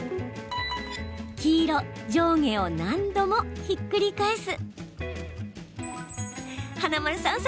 黄色・上下を何度もひっくり返す。